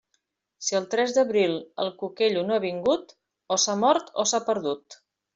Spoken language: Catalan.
Si el tres d'abril el cuquello no ha vingut, o s'ha mort o s'ha perdut.